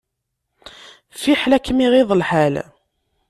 Fiḥel ad kem-iɣiḍ lḥal.